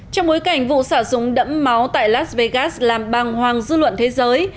trong bối cảnh vụ sả súng đẫm máu tại las vegas làm băng hoang dư luận thế giới